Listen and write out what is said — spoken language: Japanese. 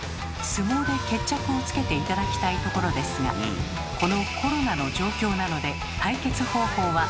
相撲で決着をつけて頂きたいところですがこのコロナの状況なので対決方法は。